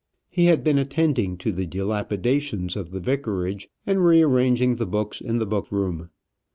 He had been attending to the dilapidations of the vicarage, and rearranging the books in the book room.